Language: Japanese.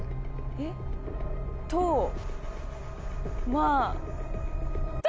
えっ？とまと？